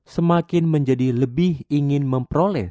semakin menjadi lebih ingin memperoleh